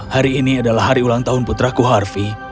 hari ini adalah hari ulang tahun putraku harvey